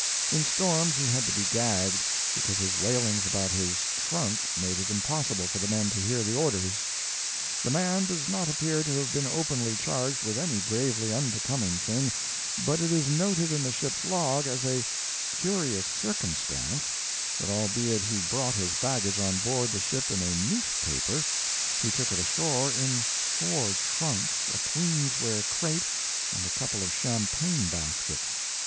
In storms he had to be gagged, because his wailings about his "trunk" made it impossible for the men to hear the orders. The man does not appear to have been openly charged with any gravely unbecoming thing, but it is noted in the ship's log as a "curious circumstance" that albeit he brought his baggage on board the ship in a newspaper, he took it ashore in four trunks, a queensware crate, and a couple of champagne baskets.